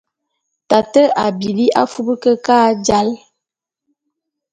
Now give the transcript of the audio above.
Tate a bilí afub kekâ e jāl.